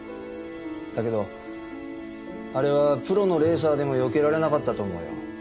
だけどあれはプロのレーサーでもよけられなかったと思うよ。